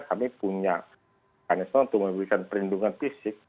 kami punya mekanisme untuk memberikan perlindungan fisik